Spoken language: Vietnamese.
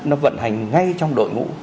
nó vận hành ngay trong đội ngũ